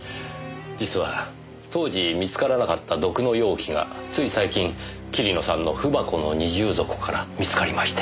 実は当時見つからなかった毒の容器がつい最近桐野さんの文箱の二重底から見つかりまして。